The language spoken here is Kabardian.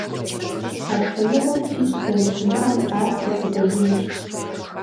А шхыныгъуэм пищӀ зэрыщымыӀэм ар текӀуэдэжынущ.